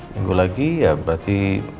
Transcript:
minggu lagi ya berarti